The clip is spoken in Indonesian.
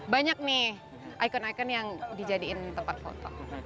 banyak nih ikon ikon yang dijadiin tempat foto